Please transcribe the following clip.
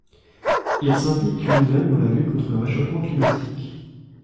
Il s'implique lui-même dans la lutte contre le réchauffement climatique.